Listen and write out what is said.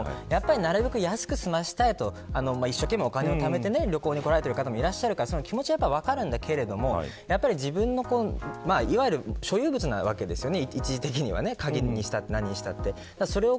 なるべく安く済ませたいと一生懸命お金をためて旅行に来られている方もいらっしゃるから気持ちは分かるんだけどもいわゆる所有者なわけですよね。